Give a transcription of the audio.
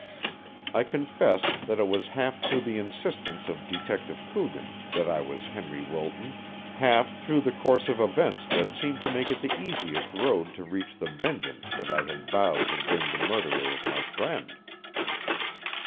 I confessed that it was half through the insistence of Detective Coogan that I was Henry Wilton, half through the course of events that seemed to make it the easiest road to reach the vengeance that I had vowed to bring the murderer of my friend.